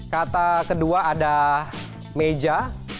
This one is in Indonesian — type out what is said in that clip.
kata kedua ada meja